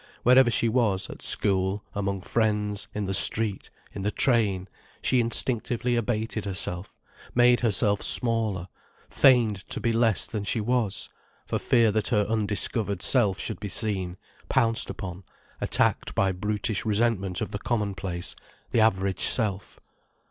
Wherever she was, at school, among friends, in the street, in the train, she instinctively abated herself, made herself smaller, feigned to be less than she was, for fear that her undiscovered self should be seen, pounced upon, attacked by brutish resentment of the commonplace, the average Self.